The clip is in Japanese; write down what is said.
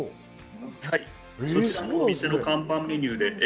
うちのお店の看板メニューです。